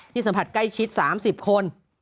สัมผัสใกล้ชิด๓๐คน